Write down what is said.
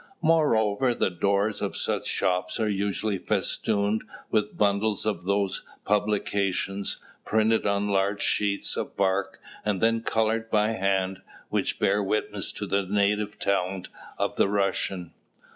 Moreover, the doors of such shops are usually festooned with bundles of those publications, printed on large sheets of bark, and then coloured by hand, which bear witness to the native talent of the Russian.